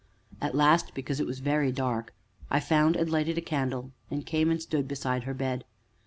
At last, because it was very dark, I found and lighted a candle, and came and stood beside her bed.